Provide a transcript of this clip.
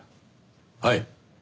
はい。